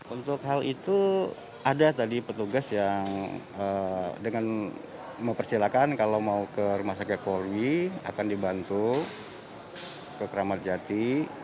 untuk hal itu ada tadi petugas yang dengan mempersilahkan kalau mau ke rumah sakit polri akan dibantu ke keramat jati